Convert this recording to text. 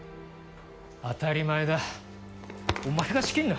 当たり前だお前が仕切んな。